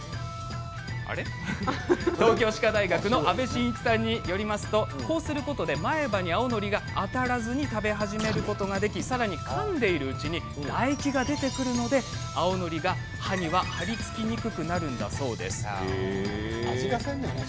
東京歯科大学の阿部伸一さんによるとこうすることで前歯に青のりが当たらず食べ始めることができ、さらにかんでいるうちに唾液が出るので青のりが歯に張り付きにくくなるんだそうです。